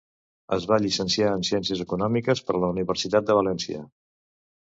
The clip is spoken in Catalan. Es va llicenciar en Ciències Econòmiques per la Universitat de València.